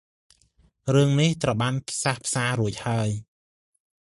រឿងនេះត្រូវបានផ្សះផ្សារួចហើយ ។